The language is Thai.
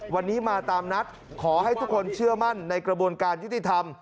วันนี้มาตามนัดขอให้ทุกคนเชื่อมั่นในกระบวนการยุติธรรม